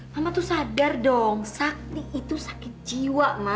mama tuh sadar dong sakti itu sakit jiwa ma